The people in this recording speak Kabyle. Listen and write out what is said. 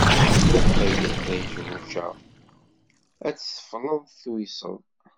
Ay iṭij rujaɣ, ad d-teffleḍ tuyseḍ.